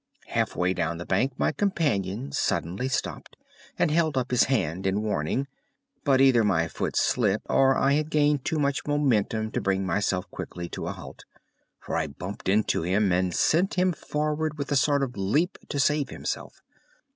Halfway down the bank my companion suddenly stopped and held up his hand in warning; but either my foot slipped, or I had gained too much momentum to bring myself quickly to a halt, for I bumped into him and sent him forward with a sort of leap to save himself.